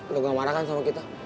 lo gak marah kan sama kita